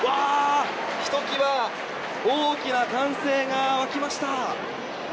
ひときわ大きな歓声が沸きました！